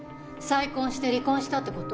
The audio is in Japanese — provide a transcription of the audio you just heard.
再婚して離婚したって事？